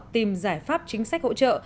tìm giải pháp chính sách hỗ trợ